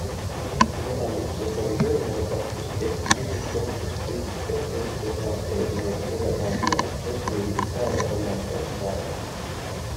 Ehkki medal lipsas läbi sõrmede, pakkus ehk pisut lohutust tõik, et teiste seas jäid meie selja taha tugevad krossiriigid Itaalia, Holland ja Austraalia.